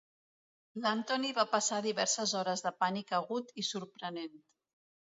L'Anthony va passar diverses hores de pànic agut i sorprenent.